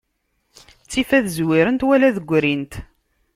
Ttif ad zwirent, wala ad grint.